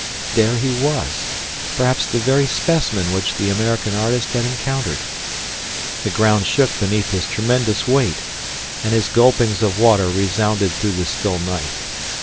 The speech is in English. There he was perhaps the very specimen which the American artist had encountered. The ground shook beneath his tremendous weight, and his gulpings of water resounded through the still night.